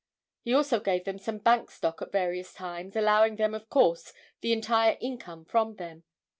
He also gave them some bank stock at various times, allowing them of course, the entire income from them.